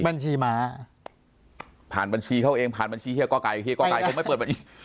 บัญชีมาผ่านบัญชีเขาเองผ่านบัญชีเหี้ยก็กายก็กายไม่เปิด